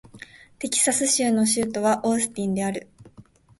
テキサス州の州都はオースティンである